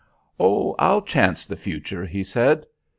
"Oh! I'll chance the future," he said.